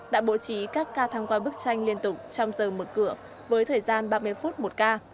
đã bố trí các ca tham quan bức tranh liên tục trong giờ mở cửa với thời gian ba mươi phút một ca